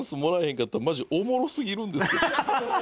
んかったらマジ面白すぎるんですけど。